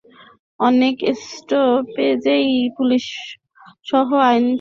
অনেক স্টপেজেই পুলিশসহ আইনশৃঙ্খলা রক্ষাকারী বাহিনীর সদস্যদের অবস্থান করতে দেখা গেছে।